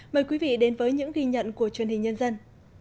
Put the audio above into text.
mời quý vị đến với những ghi nhận của truyền hình nhân dân